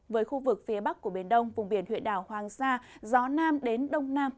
với khu vực phía bắc của biển đông vùng biển huyện đảo hoàng sa gió nam đến đông nam